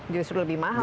justru lebih mahal